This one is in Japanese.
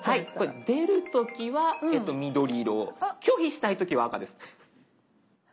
出る時は緑色拒否したい時は赤です。